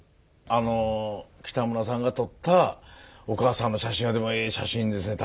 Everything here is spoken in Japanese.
あの北村さんが撮ったお母さんの写真はでもええ写真ですね